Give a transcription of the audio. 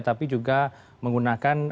tapi juga menggunakan